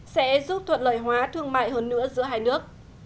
sẽ giúp thuận lợi hóa thương mại hơn nữa giữa hai nước